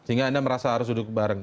sehingga anda merasa harus duduk bareng